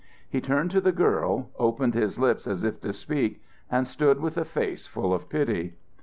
He turned to the girl, opened his lips as if to speak and stood with a face full of pity.